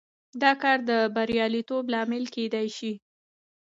دا کار د بریالیتوب لامل کېدای شي.